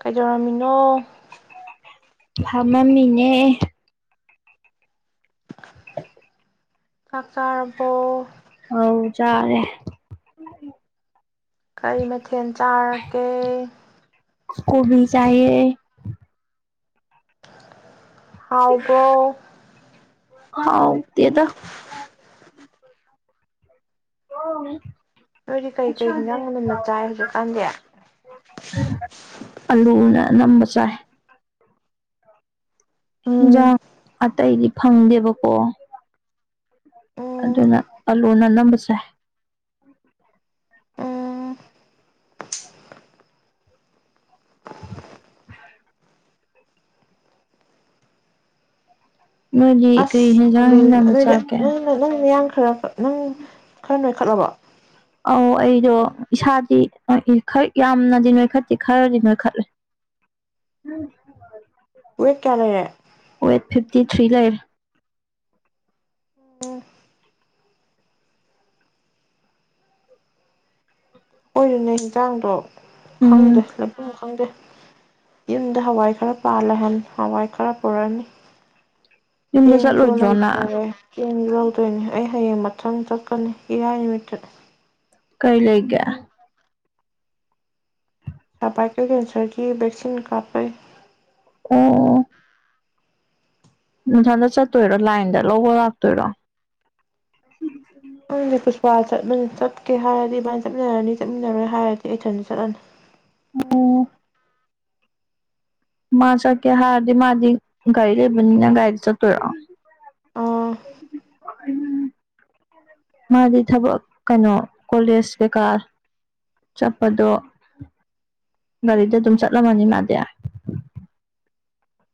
ꯀꯩꯗꯧꯔꯝꯃꯤꯅꯣ ꯐꯝꯃꯝꯃꯤꯅꯦ ꯆꯥꯛ ꯆꯥꯔꯕꯣ ꯑꯧ ꯆꯥꯔꯦ ꯀꯔꯤ ꯃ ꯊꯦꯜ ꯆꯥꯔꯒꯦ ꯀꯣꯕꯤ ꯆꯥꯏꯌꯦ ꯍꯥꯎꯕ꯭ꯔꯣ ꯍꯥꯎꯇꯦꯗ [unintelligible] ꯅꯣꯏꯗꯤ ꯀꯩꯀꯩ ꯍꯤꯟꯖꯥꯡꯅ ꯅꯝꯅ ꯆꯥꯏ ꯍꯧꯖꯤꯛꯀꯥꯟꯗꯤ ꯑꯂꯨꯅ ꯑꯅꯝꯕ ꯆꯥꯏ ꯎꯝ ꯍꯤꯟꯖꯥꯡ ꯑꯇꯩꯗꯤ ꯐꯪꯗꯦꯕꯀꯣ ꯑꯗꯨꯅ ꯑꯥꯂꯨꯅ ꯑꯅꯝꯕ ꯆꯥꯏ ꯅꯣꯏꯗꯤ ꯀꯩ ꯑꯁ ꯍꯦꯟꯖꯥꯡ ꯑꯗꯨ ꯍꯦꯟꯅꯅ ꯆꯥꯒꯦ [unintelligible] ꯈꯔ ꯅꯪ ꯈꯔ ꯅꯣꯏꯈꯠꯂꯕ ꯑꯧ ꯑꯩꯗꯣ ꯏꯁꯥꯗꯤ ꯈꯔ ꯌꯥꯝꯅꯗꯤ ꯅꯣꯏꯈꯠꯇꯦ ꯈꯔꯗꯤ ꯅꯣꯏꯈꯠꯂꯦ ꯋꯦꯠ ꯀꯌꯥ ꯂꯩꯔꯦ [unintelligible] [unintelligible] ꯆꯥꯡꯗꯣ ꯎꯝ ꯈꯪꯗꯦ ꯂꯩꯐꯝ ꯈꯪꯗꯦ ꯌꯨꯝꯗ ꯍꯋꯥꯏ ꯈꯔ ꯄꯥꯜꯂꯦ ꯍꯥꯏꯕꯅꯤ ꯍꯋꯥꯏ ꯈꯔ ꯄꯨꯔꯛꯅꯤ ꯌꯨꯝꯗ ꯆꯦꯡꯖꯨ ꯆꯠꯂꯣꯏꯗ꯭ꯔꯣ ꯅꯪ ꯂꯩꯇꯔꯦ ꯆꯦꯡꯖꯨ ꯂꯧꯗꯣꯏꯅꯤ ꯍꯌꯦꯡ ꯃꯊꯪ ꯆꯠꯀꯅꯤ ꯏꯔꯥꯏ ꯅꯨꯃꯤꯠꯇ ꯀꯩ ꯂꯩꯒꯦ [unintelligible] ꯀꯦꯟꯁꯔꯒꯤ ꯚꯦꯛꯁꯤꯟ ꯀꯥꯞꯄꯩ ꯑꯣ ꯅꯊꯟꯗ ꯆꯠꯇꯣꯏꯔꯣ ꯂꯥꯏꯟꯗ ꯂꯧꯕ ꯂꯥꯛꯇꯣꯏꯔꯣ ꯈꯪꯗꯦ ꯄꯨꯁ ꯄꯥ ꯆꯠꯃꯟ ꯆꯠꯀꯦ ꯍꯥꯏꯔꯗꯤ ꯏꯕꯥꯅꯤ ꯆꯠꯃꯤꯟꯅꯔꯅꯤ ꯆꯠꯃꯤꯟꯅꯔꯣꯏ ꯍꯥꯏꯔꯗꯤ ꯑꯩꯊꯟꯗ ꯆꯠꯂꯅꯤ ꯑꯣ ꯃꯥ ꯆꯠꯀꯦ ꯍꯥꯏꯔꯗꯤ ꯃꯥꯗꯤ ꯒꯥꯔꯤ ꯂꯩꯕꯅꯤꯅ ꯒꯥꯔꯤꯗ ꯆꯠꯇꯣꯏꯔꯣ ꯑꯥ ꯃꯥꯗꯤ ꯊꯕꯛ ꯀꯩꯅꯣ ꯀꯣꯂꯦꯖ ꯀꯩꯀꯥ ꯆꯠꯄꯗꯣ ꯒꯥꯔꯤꯗ ꯑꯗꯨꯝ ꯆꯠꯂꯝꯃꯅꯤ ꯃꯥꯗꯤ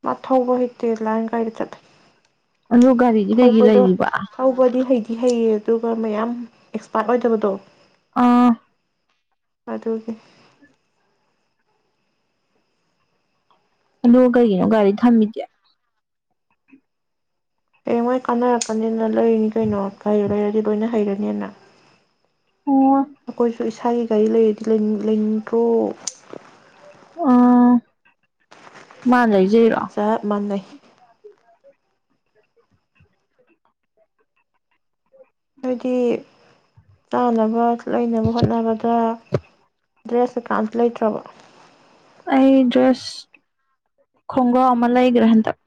ꯃ ꯊꯧꯕ ꯍꯩꯇꯦ ꯂꯥꯏꯟ ꯒꯥꯔꯤꯗ ꯆꯠꯂꯤ ꯑꯗꯣ ꯒꯥꯔꯤꯗꯤ ꯂꯩꯗꯤ ꯂꯩꯔꯤꯕ ꯊꯧꯕꯗꯤ ꯍꯩꯗꯤ ꯍꯩꯌꯦ ꯑꯗꯨꯒ ꯃꯌꯥꯝ ꯑꯦꯛꯁꯄꯥꯠ ꯑꯣꯏꯗꯕꯗꯣ ꯑꯥ ꯑꯗꯨꯒꯤ ꯑꯗꯨꯒ ꯀꯩꯒꯤꯅꯣ ꯒꯥꯔꯤ ꯊꯝꯃꯤꯗꯦ ꯍꯌꯦꯡꯋꯥꯏ ꯀꯥꯟꯅꯔꯛꯀꯅꯤꯅ ꯂꯩꯔꯤꯅꯤ ꯀꯩꯅꯣ ꯒꯥꯔꯤꯗꯣ ꯂꯩꯔꯗꯤ ꯂꯣꯏꯅ ꯍꯩꯔꯦ ꯅꯦꯅ ꯑꯣ ꯑꯈꯣꯏꯁꯨ ꯏꯁꯥꯒꯤ ꯒꯩꯂꯩꯑꯗꯤ ꯂꯩꯅꯤꯡ ꯂꯩꯅꯤꯡꯇꯔꯣ ꯃꯥꯥꯂꯩꯖ ꯆꯞ ꯃꯥꯟꯅꯩ ꯍꯥꯏꯗꯤ ꯇꯥꯅꯕ ꯂꯩꯅꯕ ꯍꯣꯠꯅꯕꯗ ꯗ꯭ꯔꯦꯁ ꯀꯀꯥ ꯑꯝꯇ ꯂꯩꯇ꯭ꯔꯕꯣ ꯑꯩ ꯗꯔ꯭ꯦꯁ ꯈꯣꯡꯒꯥꯎ ꯑꯃ ꯂꯩꯒꯔ꯭ꯦ ꯍꯟꯗꯛ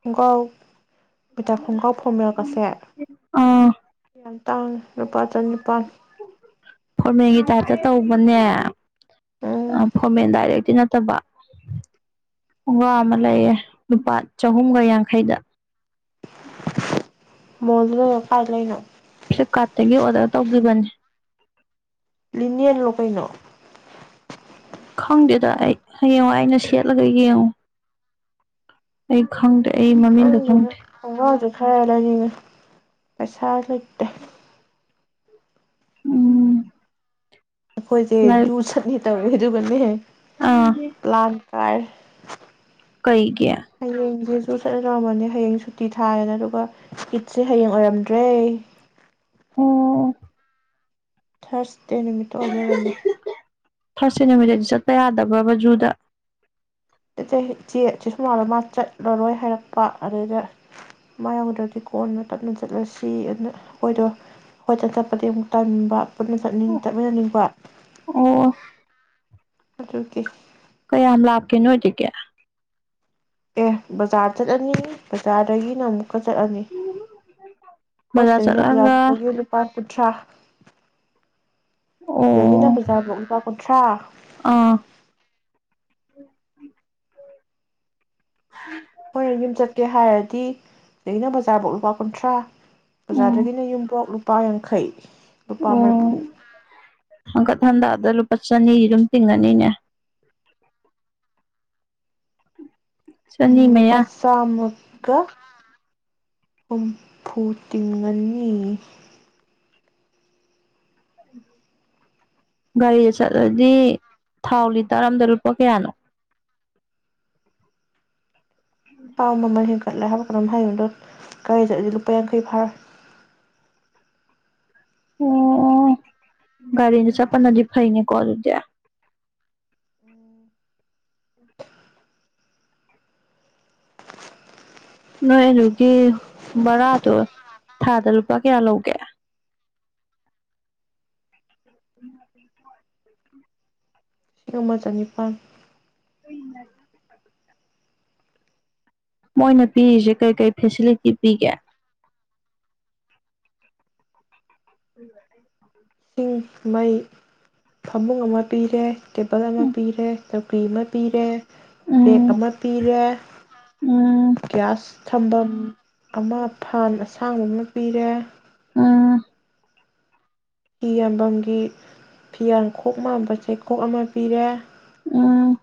ꯈꯣꯡꯒꯥꯎ ꯕꯤꯇꯥ ꯈꯣꯡꯒꯥꯎ ꯐꯣꯃꯦꯜꯒꯁꯦ ꯑꯥ ꯅꯪ ꯇꯥꯡ ꯂꯨꯄꯥ ꯆꯅꯤꯄꯥꯜ ꯐꯣꯔꯃꯦꯡꯒꯤ ꯇꯥꯏꯞꯇ ꯇꯧꯕꯅꯦ ꯑ ꯎꯝ ꯐꯣꯃꯦꯟ ꯗꯥꯏꯔꯦꯛ ꯇꯤ ꯅꯠꯇꯕ ꯈꯣꯡꯒꯥꯎ ꯑꯃ ꯂꯩꯌꯦ ꯂꯨꯄꯥ ꯆꯍꯨꯝꯒ ꯌꯥꯡꯈꯩꯗ ꯃꯣꯜꯗꯨꯅ ꯃꯨꯛ ꯀꯥꯏ ꯂꯩꯅꯣ ꯀꯥꯠꯇꯒꯤ ꯑꯣꯗꯔ ꯇꯧꯒꯤꯕꯅꯤ ꯂꯤꯅꯤꯌꯦꯟꯂꯣ ꯀꯩꯅꯣ ꯈꯪꯗꯦꯗ ꯑꯩ ꯍꯌꯦꯡꯋꯥꯏ ꯑꯩꯅ ꯁꯦꯠꯂꯒ ꯌꯦꯡꯉꯨ ꯑꯩ ꯈꯪꯗꯦ ꯑꯩ ꯃꯃꯤꯡꯒ ꯈꯪꯗꯦꯕꯨ ꯈꯪꯗꯦ ꯈꯣꯡꯒꯥꯎꯖꯨ ꯈꯔ ꯂꯩꯅꯤꯡꯉꯦ ꯄꯩꯁꯥ ꯂꯩꯠ ꯎꯝ ꯑꯈꯣꯏꯖꯦ ꯂꯥꯏ ꯖꯨ ꯁꯠꯅꯤ ꯇ ꯍꯁꯨꯒꯅꯤꯍꯦ ꯑꯥ ꯇꯔ ꯀꯩꯒ ꯁꯨ ꯁꯠꯂ ꯌꯥꯧꯔꯝꯃꯅꯦ ꯍꯌꯦꯡ ꯁꯨꯇꯤ ꯊꯥꯏꯌꯦꯅ ꯑꯗꯨꯒ ꯀꯤꯠꯁꯦ ꯍꯌꯦꯡ ꯑꯣꯏꯔꯝꯗ꯭ꯔꯦ ꯑꯣꯝ ꯊꯔꯁ ꯇꯅꯃꯤ ꯊ ꯂꯩ ꯂꯃꯦ ꯊꯥꯔꯠ ꯁꯦꯇꯃꯤꯇꯔꯗꯤ ꯆꯠꯄ ꯌꯥꯗꯕ꯭ꯔ ꯕ ꯖꯨꯗ ꯏꯆꯦ ꯏꯆꯦ ꯏꯆꯦ ꯁꯨ ꯃꯥꯥꯜꯂꯣ ꯃꯥ ꯆꯠꯂꯔꯣꯏ ꯍꯥꯏꯔꯛꯄ ꯑꯗꯨꯗꯩꯗ ꯃꯥ ꯌꯥꯎꯗ꯭ꯔꯗꯤ ꯀꯣꯟꯅ ꯇꯞꯅ ꯆꯠꯂꯁꯤ ꯑꯗꯨꯅ ꯑꯩꯈꯣꯏꯗꯣ ꯍꯣꯏꯇ ꯆꯠꯄꯗꯒꯤ ꯑꯃꯨꯛ ꯇꯕ ꯄꯨꯟꯅ ꯆꯠꯅꯤꯡ ꯆꯠꯃꯤꯟꯅꯅꯤꯡꯕ ꯑꯣ ꯑꯗꯨ ꯀꯤ ꯀꯌꯥꯝ ꯂꯥꯞꯀꯦ ꯅꯣꯏꯇꯀꯤ ꯑꯦ ꯕꯖꯥꯔ ꯆꯠꯂꯅꯤ ꯕꯖꯥꯔꯗꯒꯤ ꯅꯪ ꯀ ꯆꯠꯂꯅꯤ ꯕꯖꯥꯔ ꯑꯩꯈꯣꯏꯁꯤꯗꯑꯤ ꯕꯖꯥꯔ ꯆꯠꯂꯒ ꯆꯄꯒꯤ ꯂꯨꯄꯥ ꯀꯨꯟꯊ꯭ꯔꯥ ꯑꯣ ꯗꯒꯤꯅ ꯕꯖꯥꯔ ꯕꯨꯛ ꯂꯨꯄ ꯑꯣꯊ꯭ꯔꯥ ꯑꯥ ꯎꯝ ꯍꯣꯏ ꯌꯨꯝ ꯆꯠꯀꯦ ꯍꯥꯏꯔꯗꯤ ꯑꯩꯅ ꯕꯖꯥꯔꯐꯥꯎ ꯂꯨꯄꯥ ꯀꯨꯟꯊ꯭ꯔꯥ ꯎꯝ ꯑꯣꯖꯥꯗꯒꯤꯅ ꯌꯨꯝ ꯄꯣꯛ ꯄ ꯌꯥꯡꯈꯩ ꯔꯄꯥꯥ ꯃꯔꯐꯨ ꯊꯟꯗꯥꯗ ꯂꯨꯄꯥ ꯆꯅꯤ ꯑꯗꯨꯨꯝ ꯇꯤꯡꯉꯅꯤꯅꯦ ꯎꯝ ꯆꯅꯤ ꯂꯨꯄꯥ ꯃꯌꯥ ꯋꯥꯝ ꯃꯨꯛ ꯀ ꯍꯨꯝꯐꯨ ꯇꯤꯡꯉꯅꯤ ꯒꯥꯔꯤꯗ ꯆꯠꯂꯗꯤ ꯊꯥꯎ ꯂꯤꯇꯔ ꯑꯝꯗ ꯂꯨꯄꯥ ꯀꯌꯥꯅꯣ ꯥꯊꯥꯎ ꯃꯃꯜ ꯍꯦꯟꯒꯠꯂꯦ ꯍꯥꯏꯕ ꯀꯩꯅꯣꯝ ꯍꯥꯏꯒꯤꯒꯨꯝ ꯇꯧ ꯑꯩꯈꯣꯏꯅ ꯠꯂꯗꯤ ꯂꯨꯄꯥ ꯌꯥꯡꯈꯩ ꯐꯥꯔꯣꯏ ꯑꯣ ꯒꯥꯔꯤꯗ ꯆꯄꯜꯅꯗꯤ ꯐꯩꯅꯦꯀꯣ ꯑꯗꯨꯗꯤ ꯅꯣꯏ ꯑꯗꯨꯒꯤ ꯚꯔꯥꯗꯣ ꯊꯥꯗ ꯂꯨꯄꯥ ꯀꯌꯥ ꯂꯧꯒꯦ ꯂꯤꯁꯤꯡ ꯑꯃ ꯆꯅꯤꯄꯥꯜ ꯍ ꯃꯣꯏꯅ ꯄꯤꯔꯤꯁꯦ ꯀꯔꯤ ꯀꯔꯤ ꯐꯦꯁꯤꯂꯤꯇꯤ ꯄꯤꯒꯦ ꯎꯝ ꯏꯁꯤꯡ ꯃꯩ ꯐꯃꯨꯡ ꯑꯃ ꯄꯤꯔꯦ ꯇꯦꯕꯜ ꯑꯃ ꯄꯤꯔꯦ ꯇꯧꯀꯤ ꯑꯃ ꯄꯤꯔꯦ ꯄꯦꯛ ꯎꯝ ꯑꯃ ꯄꯤꯔꯦ ꯎꯝ ꯒ꯭ꯤꯌꯁ ꯊꯝꯕꯝ ꯑꯃ ꯐꯥꯟꯁ ꯑ ꯁꯁꯥꯡꯕ ꯑꯃ ꯄꯤꯔꯦ ꯎꯝ ꯐꯤ ꯌꫭꯟꯕꯝꯒꯤ ꯐꯤ ꯌꯥꯡꯈꯣꯛ ꯃꯥꯟꯕ ꯆꯩꯀꯣꯛ ꯑꯃ ꯄꯤꯔꯦ ꯎꯝ [unintelligible]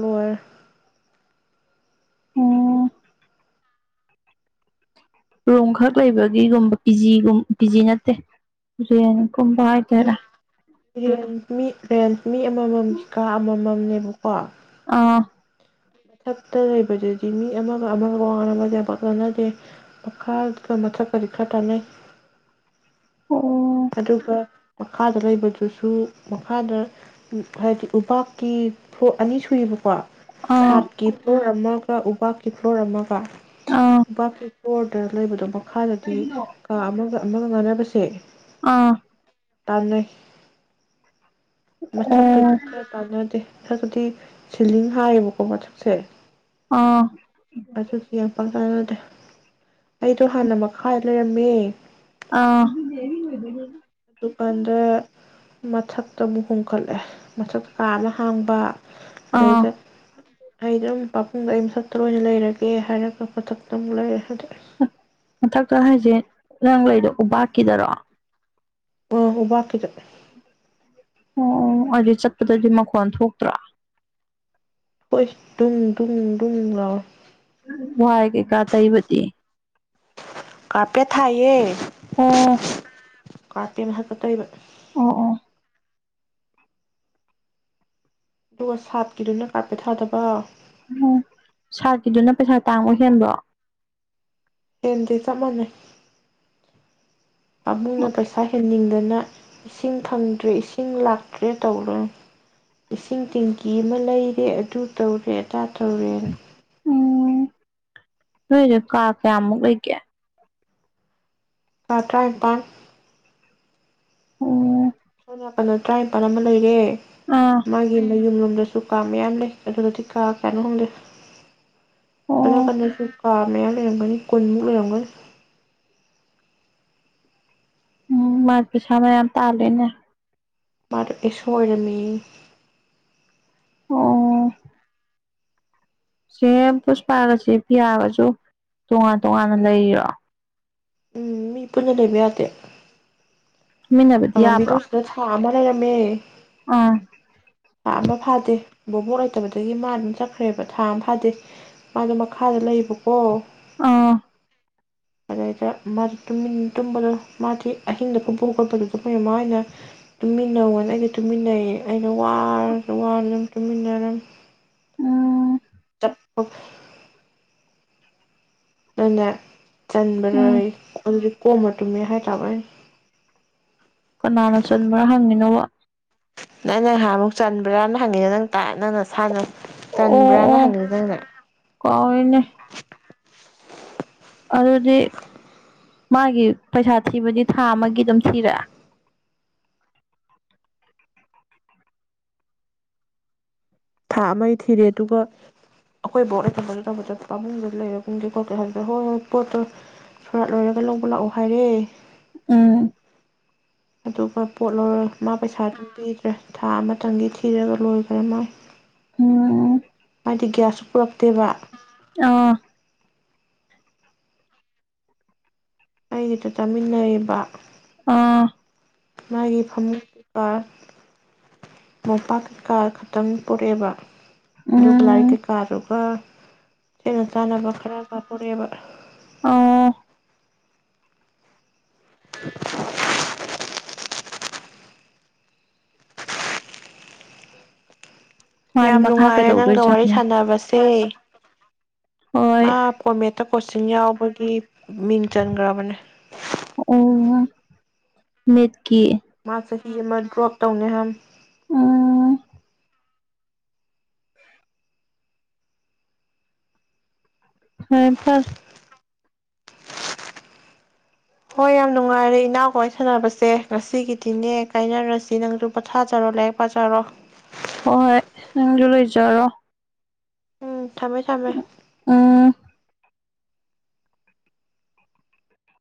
ꯂꫭꯏꯔꯦ ꯑꯣ ꯔꯣꯛꯈꯛ ꯂꯩꯕꯒꯤꯒꯨꯝꯕ ꯄꯤꯖꯤꯒꯨꯝ ꯄꯤꯖꯤ ꯅꯠꯇꯦ ꯍꯥꯏꯗꯣꯏꯔꯥ [unintelligible] ꯔꯦꯟꯁ ꯃꯤ ꯑꯃꯃꯝ ꯀꯀꯥ ꯑꯃꯃꯝꯅꯦꯕ [unintelligible] ꯑꯥ ꯃꯊꯛꯇ ꯂꯩꯕꯗꯗꯤ ꯃꯤ ꯑꯃꯒ ꯑꯃꯒ ꯋꯥ ꯉꯡꯅꯕꯖꯦ ꯌꯝꯄꯥꯛ ꯇꯥꯟꯅꯗꯦ ꯃꯈꯥꯒ ꯃꯊꯛꯀꯗꯤ ꯈꯔ ꯇꯥꯟꯅꯩ ꯑꯣ ꯑꯗꯨꯒ ꯃꯈꯥꯗ ꯂꯩꯕꯗꯨꯁꯨ ꯃꯈꯥꯗ ꯍꯥꯏꯗꯤ ꯎꯕꯥꯛꯀꯤ ꯐ꯭ꯂꯣꯔ ꯑꯅꯤ ꯁꯨꯏꯌꯦꯕꯀꯣ ꯑꯥ ꯁꯠꯇ ꯀꯤ ꯐꯨꯂ꯭ꯔꫭ ꯑꯕꯥꯛꯀꯤ [unintelligible] ꯀꯤꯐꯣꯔ ꯑꯃꯒ ꯑꯥ [unintelligible] ꯂꯩꯕꯗꯣ [unintelligible] ꯃꯈꯥꯗꯗꯤ ꯀꯥ ꯑꯃꯒ ꯑꯃꯒ ꯉꯥꯡꯅꯕꯁꯦ ꯑꯥ ꯇꯥꯅꯩ ꯑꯣ ꯃꯊꯛꯇꯗꯤ ꯈꯔ ꯇꯥꯅꯗꯦ ꯃꯊꯛꯇꯤ ꯁꯤꯂꯤꯡ ꯍꯥꯏꯌꯦꯕꯀꯣ ꯃꯊꯛꯁꯦ ꯑ [unintelligible] ꯑꯩꯗꯣ ꯍꯥꯟꯅ ꯃꯈꯥ ꯂꯩꯔꯝꯃꯦ ꯑ [unintelligible] ꯗꯨꯀꯥꯟꯗ ꯃꯊꯛꯇ ꯑꯃꯨꯛ ꯍꯣꯡꯀꯠꯂꯦ ꯃꯊꯛꯇ ꯀꯥ ꯑꯃ ꯍꯥꯡꯕ ꯑꯥ ꯑꯗꯩꯗ ꯑꯩꯗꯩꯗ ꯑꯄꯨꯛ ꯄꯥꯕꯨꯡꯗ ꯑꯩ ꯃꯊꯛꯇ ꯑꯣꯏꯅ ꯂꯩꯔꯒꯦ ꯍꯥꯏꯔꯒ ꯃꯊꯛꯇ ꯑꯃꯨꯛ ꯂꯩꯔꯦ ꯍꯧꯖꯤꯛ [unintelligible] ꯃꯊꯛꯇ ꯍꯥꯏꯖꯦ ꯅꯥꯡ ꯂꯩꯗꫭ ꯎꯕꯥꯛꯀꯤꯗꯔꯣ ꯑ ꯎꯕꯥꯛꯀꯤꯗ ꯑꯣ ꯑꯗꯨꯗꯤ ꯆꯠꯄꯗꯗꯤ ꯃꯈꯣꯟ ꯊꯣꯛꯇ꯭ꯔꯥ ꯍꯣꯏ ꯗꯨꯡ ꯗꯨꯡ ꯗꯨꯡ ꯂꯥꯎꯋꯦ ꯋꯥꯏ ꯀꯦꯀꯥ ꯇꯩꯕꯗꯤ ꯀꯥꯔꯄꯦꯠ ꯊꯥꯏꯌꯦ ꯑꯣ ꯀ꯭ꯔꯄꯦꯠ ꯃꯊꯛꯇ ꯇꯩꯕ ꯑꯣ ꯑꯣ ꯑꯗꯨꯒ ꯁꯥꯠꯀꯤꯗꯨꯅ ꯀꯥꯔꯄꯦꯠ ꯊꯥꯗꯕ ꯎꯝ ꯁꯥꯠꯀꯤꯗꯨꯅ ꯄꯩꯁꯥ ꯇꯥꯡꯕ ꯍꯦꯟꯕ꯭ꯔꯣ ꯍꯦꯟꯗꯦ ꯆꯞ ꯃꯥꯟꯅꯩ ꯄꯥꯕꯨꯡꯅ ꯄꯩꯁꯥ ꯍꯦꯟꯅꯤꯡ ꯑꯗꯨꯗꯅ ꯏꯁꯤꯡ ꯐꯪꯗ꯭ꯔꯦ ꯏꯁꯤꯡ ꯂꯥꯛꯇ꯭ꯔꯦ ꯇꯧꯗꯅ ꯏꯁꯤꯡ ꯇꯦꯡꯀꯤ ꯑꯃ ꯂꯩꯔꯦ ꯑꯗꯨ ꯇꯧꯔꯦ ꯑꯗꯥ ꯇꯧꯔꯦꯅ ꯎꯝ ꯅꯣꯏꯗꯣ ꯀꯥ ꯀꯌꯥꯃꯨꯛ ꯂꯩꯒꯦ ꯀꯥ ꯇꯔꯥꯅꯤꯄꯥꯟ ꯑꯣ ꯁꯣꯝ ꯅꯥꯀꯟꯗ ꯇꯔꯥꯅꯤꯄꯜ ꯑꯃ ꯂꯩꯔꯦ ꯑꯥ ꯃꯥꯒꯤ ꯃꯌꯨꯝ ꯂꯝ ꯑꯗꯨꯁꯨꯨ ꯀꯥ ꯃꯌꯥꯝ ꯂꯩ ꯑꯗꯨ ꯑꯗꯨꯗꯗꯤ ꯀꯥ ꯀꯌꯥꯅꯣ ꯈꯪꯗꯦ ꯅ ꯑꯣ ꯄꯅ [unintelligible] ꯀꯥ ꯃꯌꯥꯝ ꯂꯩꯔꯝꯒꯅꯤ ꯀꯨꯟꯃꯨꯛ ꯂꯩꯔꯝꯒꯅꯤ ꯎꯝ ꯃꯥ ꯄꯩꯁꯥ ꯃꯌꯥꯝ ꯇꯥꯜꯂꯦꯅꯦ ꯃꯥꯗꯣ ꯑꯦꯁꯣ ꯑꯣꯏꯔꯝꯃꯦꯌꯦ ꯑꯣ ꯁꯦ ꯄꯨꯁꯄꯥꯒꯁꯦ ꯄꯤ ꯌꯥꯒꯁꯨ ꯇꯣꯉꯥꯟ ꯇꯣꯉꯥꯟꯅ ꯂꯩꯔꯣ ꯎꯝ ꯃꯤ ꯄꯨꯟꯅ ꯂꯩꯕ ꯌꯥꯗꯦ ꯑ ꯇꯨꯃꯤꯟꯅꯕꯗꯤ ꯌꯥꯕ꯭ꯔꯣ ꯃꯤꯗ ꯃꯦ ꯑꯥ ꯄꯥꯝꯕ ꯐꯥꯗꯦ ꯕꯣꯕꯣꯛ ꯂꯩꯇꯕꯗꯒꯤ ꯃꯥ ꯑꯗꯨꯝ ꯆꯠꯈ꯭ꯔꯦꯕ ꯊꯥ ꯑꯃ ꯐꯥꯗꯦ ꯃꯥꯗꯣ ꯃꯈꯥꯗ ꯂꯩꯌꯦꯕꯀꯣ ꯑꯥ ꯑꯗꯗ ꯃꯔ ꯇꯨꯝꯕꯗꯣ ꯃꯥꯗꯤ ꯑꯍꯤꯡꯗ ꯄꯨꯨꯝꯕ ꯈꯣꯠꯄꯗꯨ ꯑꯗꯨ ꯃꯌꯥꯝꯃꯅ ꯇꯨꯝꯃꯤꯟꯅꯧꯅ ꯑꯩꯒ ꯇꯨꯝꯃꯤꯟꯅꯩꯌꯦ ꯑꯩꯅ ꯋꯥꯔꯁꯨ ꯋꯥꯔ ꯑꯗꯨꯝ ꯇꯨꯝꯃꯤꯟꯅ ꯑꯗꯨꯝ ꯎꯝ ꯆꯠ ꯑ ꯎꯝ ꯆꯟꯕꯔꯣꯏ ꯑꯗꯨ ꯀꯣꯝꯃ ꯇꯨꯝꯃꯦ ꯍꯥꯏꯇꯥꯔ ꯀꯅꯥꯅ ꯆꯟꯕ꯭ꯔꯥ ꯍꯪꯉꯤꯅꯣꯕ ꯅꯪ ꯅꯪꯍꯥꯟ ꯑꯃꯨꯛ ꯆꯟꯕ꯭ꯔꯥꯅ ꯍꯪꯉꯤꯅꯣ ꯅꯪ ꯇꯥꯏ ꯅꯪꯅ ꯁꯥꯟꯅ ꯑꯣ ꯑꯣ ꯀꯅꯦ ꯑꯗꯨꯗꯤ ꯃꯥꯒꯤ ꯄꯩꯁꯥ ꯊꯤꯕꯗꯤ ꯊꯥ ꯑꯃꯒꯤ ꯑꯗꯨꯝ ꯊꯤꯔꯑꯦ ꯊꯥ ꯑꯃꯒꯤ ꯊꯤꯔꯦ ꯑꯗꯨꯒ ꯑꯩꯈꯣꯏ ꯕꯥꯎ ꯂꯩ ꯊꯕ ꯇ ꯆꯠ ꯄꯥꯃꯨꯡꯗꯨ ꯂꯩꯔꯒꯨꯝꯒꯦ ꯈꯣꯠꯀꯦ ꯍꯥꯏꯕ ꯍꯣꯏ ꯍ ꯄꯣꯠꯇꯣ ꯐꯔꯥ ꯂꯣꯏꯔꯒ ꯂꯧꯕ ꯂꯥꯛꯑꯣ ꯍꯥꯏꯔꯦ ꯎꯝ ꯑꯗꯨꯒ ꯄꯣꯠ ꯂꯧꯔꯣꯏ ꯃꯥ ꯄꯩꯁꯥ ꯑꯗꯨꯝ ꯄꯤꯗ꯭ꯔꯦ ꯊꯥ ꯑꯃꯇꯪꯒꯤ ꯊꯤꯔꯒ ꯂꯣꯏꯈ꯭ꯔꯦ ꯃꯥꯏ ꯎꯝ ꯍꯥꯏꯗꯤ ꯒ꯭ꯌꯥꯁꯁꯨ ꯄꯨꯔꯛꯇꯦꯕ ꯑꯥ ꯑꯩꯒꯤꯗ ꯆꯥꯃꯤꯟꯅꯩꯔꯤꯕ ꯑꯥ ꯃꯥꯒꯤ ꯐꯃꯨꯡ ꯀꯥꯔ ꯃꯣꯝꯄꯥꯛꯀꯤ ꯀꯥꯔ ꯈꯛꯇꯪ ꯄꯔꯛꯑꯦꯕ ꯂꯨꯒ ꯂꯔꯤ ꯎꯝ ꯀ ꯀꯥꯔꯔꯨꯒ ꯁꯤꯅ ꯆꯥꯅꯕ ꯈꯔ ꯄꯄꯨꯔꯦꯕ ꯑꯣ [inaudible] ꯃꯥꯗꯤ ꯌꯥꯝ ꯃꯈꯥ ꯅꯨꯡꯉꯥꯏꯔꯦ ꯅꯪꯒ ꯋꯥꯔꯤ ꯀꯩꯗꯧꯗꯣꯏꯖꯥꯠꯅꯣ ꯁꯥꯟꯅꯕꯁꯦ ꯍꯣꯏ ꯃꯥ ꯀꯣꯃꯦꯇ ꯀꯣꯆꯤꯡ ꯌꯥꯎ ꯈꯣꯏꯒꯤ ꯃꯤꯡ ꯆꯟꯈ꯭ꯔꯕꯅꯦ꯫ ꯑꯣ ꯅꯤꯠꯀꯤ꯫ ꯃꯥ ꯆꯍꯤ ꯑꯃ ꯗ꯭ꯔꯣꯞ ꯇꯧꯅꯤꯍꯥꯏꯝ꯫ [unintelligible] ꯐꯔꯦ - ꯐꯔꯦ꯫ ꯍꯣꯏ ꯌꯥꯝ ꯅꯨꯡꯉꯥꯏꯔꯦ ꯏꯅꯥꯎꯀꯋꯥꯏ ꯁꯅꯕꯁꯦ ꯉꯁꯤꯒꯤꯗꯤꯅꯦ ꯀꯥꯏꯅꯔꯁꯤ ꯅꯪꯁꯨ ꯄꯣꯊꯥꯖꯔꯣ ꯂꯥꯏꯔꯤꯛ ꯄꯥꯖꯔꯣ꯫ ꯍꯣ - ꯍꯣꯏ ꯅꯪꯖꯨ ꯂꯩꯖꯔꯣ꯫ ꯎꯝ꯫ ꯊꯝꯃꯦ- ꯊꯝꯃꯦ꯫ ꯎꯝ